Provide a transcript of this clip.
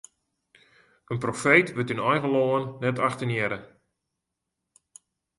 In profeet wurdt yn eigen lân net achtenearre.